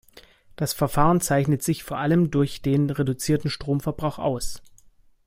Das Verfahren zeichnet sich vor allem durch den reduzierten Stromverbrauch aus.